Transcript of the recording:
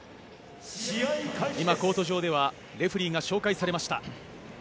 今、コート上ではレフェリーが紹介されました。